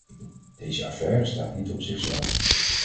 Deze affaire staat niet op zichzelf.